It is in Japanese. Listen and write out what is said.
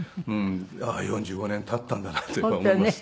ああ４５年経ったんだなと今思います。